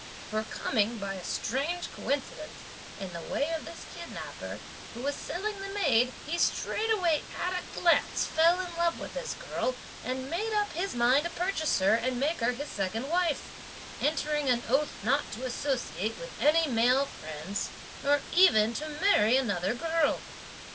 for coming, by a strange coincidence, in the way of this kidnapper, who was selling the maid, he straightway at a glance fell in love with this girl, and made up his mind to purchase her and make her his second wife; entering an oath not to associate with any male friends, nor even to marry another girl.